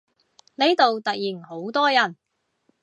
呢度突然好多人